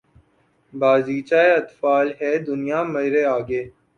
بازیچۂ اطفال ہے دنیا مرے آگے